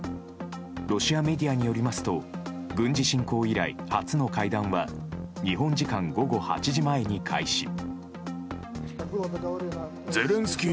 ロシアメディアによりますと軍事侵攻以来、初の会談は日本時間午後８時前に開始。